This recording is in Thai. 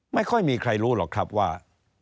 ไม่ค่อยมีใครรู้หรอกครับว่า